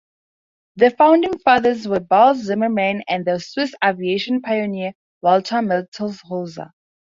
The founding fathers were Balz Zimmermann and the Swiss aviation pioneer Walter Mittelholzer.